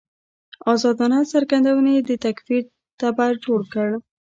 ازادانه څرګندونې د تکفیر تبر جوړ کړ.